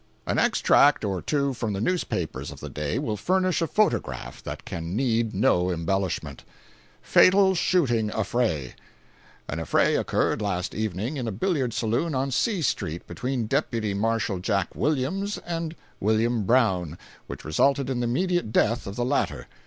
An extract or two from the newspapers of the day will furnish a photograph that can need no embellishment: FATAL SHOOTING AFFRAY.—An affray occurred, last evening, in a billiard saloon on C street, between Deputy Marshal Jack Williams and Wm. Brown, which resulted in the immediate death of the latter.